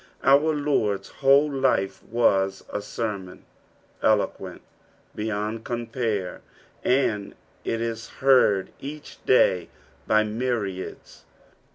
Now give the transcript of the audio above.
Our Lord's wjiolo life was a sermon; eloquent beyond compare, and it is heard each day by myriads.